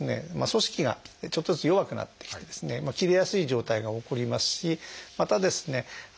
組織がちょっとずつ弱くなってきてですね切れやすい状態が起こりますしまたですね